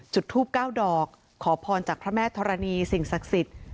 จุดทูบ๙ดอกขอพรจากพระแม่ธรณีสิ่งศักดิ์สิทธิ์